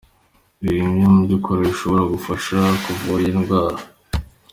Dore bimwe mu byo kurya bishobora kugufasha kuvura iyi ndwara.